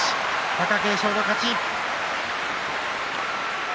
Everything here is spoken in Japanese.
貴景勝の勝ち。